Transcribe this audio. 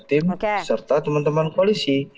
tim serta teman teman koalisi